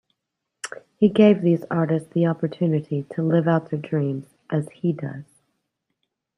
He gave these artists the opportunity to live out their dreams as he does.